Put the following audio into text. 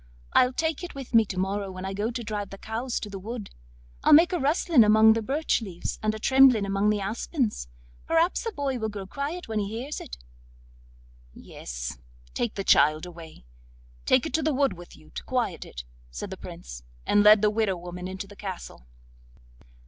'I'll take it with me to morrow when I go to drive the cows to the wood. I'll make a rustling among the birch leaves and a trembling among the aspens—perhaps the boy will grow quiet when he hears it.' 'Yes, take the child away, take it to the wood with you to quiet it,' said the Prince, and led the widow woman into the castle.